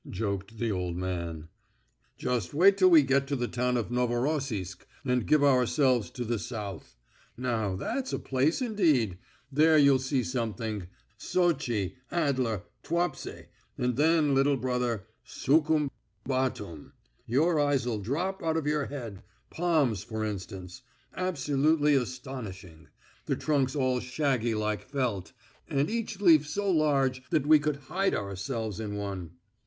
joked the old man. "Just wait till we get to the town of Novorossisk, and give ourselves to the South. Now, that's a place indeed; there you'll see something. Sotchi, Adler, Tuapse, and then, little brother, Sukhum, Batum.... Your eyes'll drop out of your head.... Palms, for instance. Absolutely astonishing; the trunks all shaggy like felt, and each leaf so large that we could hide ourselves in one."